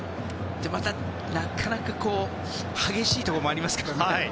また、なかなか激しいところもありますから。